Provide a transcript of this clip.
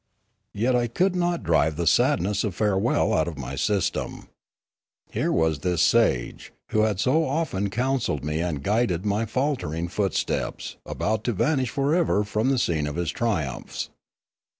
Yet I could not drive the sadness of farewell out of my system. Here was this sage, who had so often counselled me and guided my faltering footsteps, about to vanish for ever from the scene of his triumphs.